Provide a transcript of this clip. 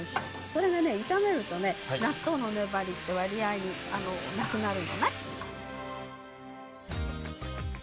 それが炒めるとね納豆の粘りって割合になくなるじゃない。